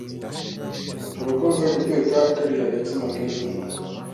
Urakoze guteka kariya gatsima keza.